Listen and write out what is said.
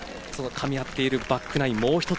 そのかみ合っているバックナイン